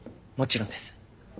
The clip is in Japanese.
もちろんです。